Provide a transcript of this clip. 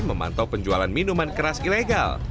memantau penjualan minuman keras ilegal